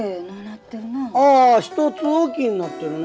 ああ一つ置きになってるな。